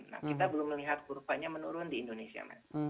nah kita belum melihat kurvanya menurun di indonesia mas